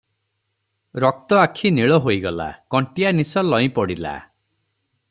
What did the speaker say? ରକ୍ତ ଆଖି ନୀଳ ହୋଇ ଗଲା- କଣ୍ଟିଆ ନିଶ ଲଇଁ ପଡ଼ିଲା ।